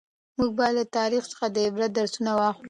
موږ باید له تاریخ څخه د عبرت درسونه واخلو.